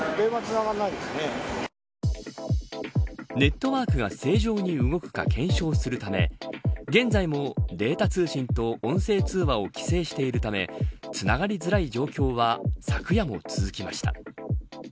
ネットワークが正常に動くか検証するため現在もデータ通信と音声通話を規制しているためつながりづらい状況は昨夜も続きました。